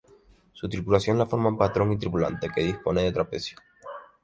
Su tripulación la forman patrón y tripulante, que dispone de trapecio.